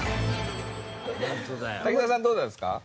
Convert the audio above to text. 滝沢さんどうなんですか？